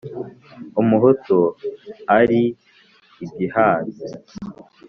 umuhutu ari igihaze